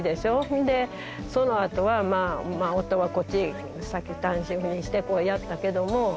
ほんでそのあとは夫はこっちに先単身赴任してやったけども。